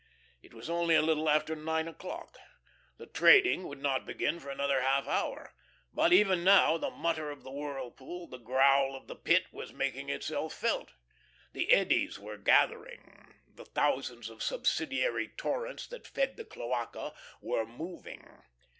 It was only a little after nine o'clock. The trading would not begin for another half hour, but, even now, the mutter of the whirlpool, the growl of the Pit was making itself felt. The eddies were gathering; the thousands of subsidiary torrents that fed the cloaca were moving.